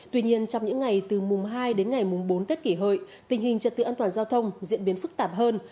tuy nhiên trong những ngày từ mùng hai đến ngày mùng bốn tết kỷ hợi tình hình trật tự an toàn giao thông diễn biến phức tạp hơn